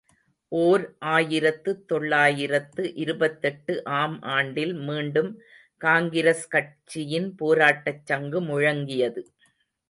ஓர் ஆயிரத்து தொள்ளாயிரத்து இருபத்தெட்டு ஆம் ஆண்டில் மீண்டும் காங்கிரஸ் கட்சியின் போராட்டச் சங்கு முழங்கியது.